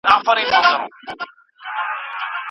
کله چې باران وریږي، زه د چای څښلو مینه وال یم.